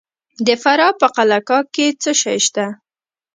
د فراه په قلعه کاه کې څه شی شته؟